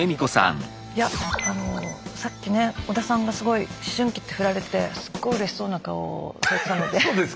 いやあのさっきね織田さんがすごい思春期って振られてすっごいうれしそうな顔をされたので。